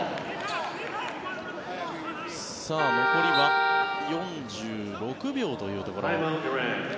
残りは４６秒というところ。